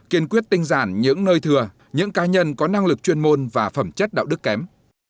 kiên quyết tinh giản những nơi thừa những ca nhân có năng lực chuyên môn và phẩm chất đạo đức kém